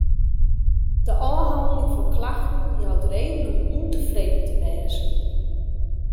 De ôfhanneling fan klachten jout reden om ûntefreden te wêzen.